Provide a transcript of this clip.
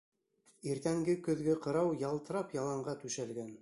Иртәнге көҙгө ҡырау ялтырап яланға түшәлгән.